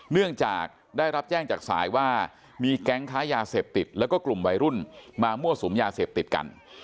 เนื่องจากได้รับแจ้งจากสายว่ามีแก๊งค้ายาเสพติดแล้วก็กลุ่มวัยรุ่นมามั่วสุมยาเสพติดกัน